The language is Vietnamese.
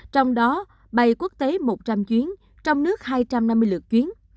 trong đó bay quốc tế một trăm linh chuyến trong nước hai trăm năm mươi lượt chuyến